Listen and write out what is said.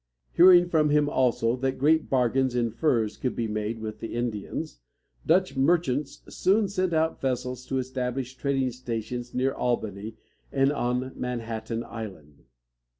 Hearing from him also that great bargains in furs could be made with the Indians, Dutch merchants soon sent out vessels to establish trading stations near Albany and on Manhattan Island.